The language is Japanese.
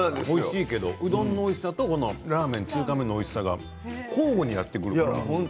うどんのおいしさと中華麺のおいしさが交互にやってくる。